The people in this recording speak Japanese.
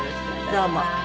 どうも。